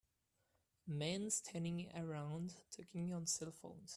Men standing around talking on cellphones.